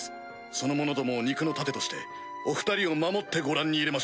その者どもを肉の盾としてお２人を守ってご覧に入れましょう。